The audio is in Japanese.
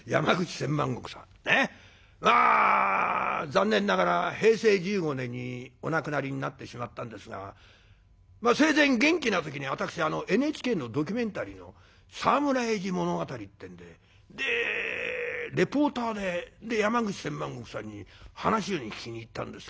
残念ながら平成１５年にお亡くなりになってしまったんですが生前元気な時に私ＮＨＫのドキュメンタリーの「沢村栄治物語」ってんでリポーターで山口千万石さんに話を聞きに行ったんですけども。